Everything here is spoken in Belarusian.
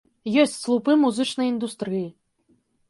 Ёсць слупы музычнай індустрыі.